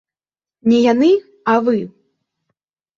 Не яны, а вы!